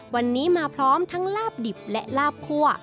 วันนี้มาพร้อมทั้งลาบดิบและลาบคั่ว